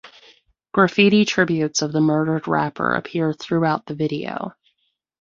Graffiti tributes of the murdered rapper appear throughout the video.